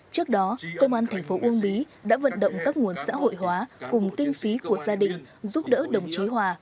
trước đó công an tp uông bí đã vận động các nguồn xã hội hóa cùng tinh phí của gia đình giúp đỡ đồng chí hòa